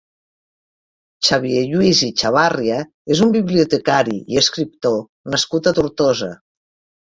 Xavier Lluís i Chavarria és un bibliotecari i escriptor nascut a Tortosa.